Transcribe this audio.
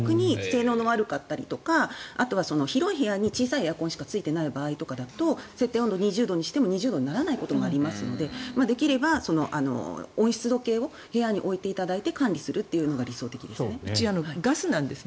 逆に性能が悪かったり広い部屋に小さいエアコンしかついていない場合だと設定温度を２０度にしても２０度にならないこともありますのでできれば温湿度計を部屋においていただいてうちはガスなんです。